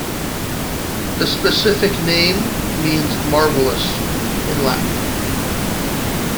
The specific name means "marvelous" in Latin.